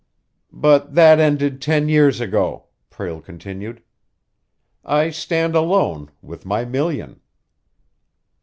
"But that ended ten years ago," Prale continued. "I stand alone with my million."